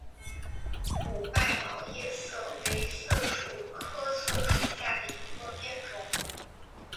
五脉毛叶槭为槭树科槭属下的一个变种。